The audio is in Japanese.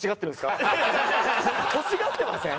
欲しがってません？